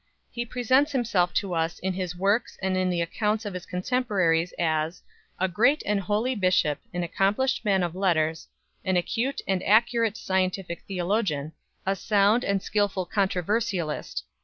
He presents himself to us in his works and in the accounts of his contemporaries as "a great and holy bishop, an accomplished man of letters, an acute and accurate scientific theologian, a sound and skilful controversialist